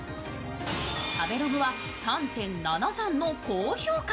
食べログ３．７３の高評価。